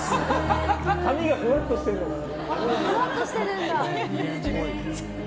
髪がふわっとしてるのかな。